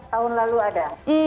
tahun lalu ada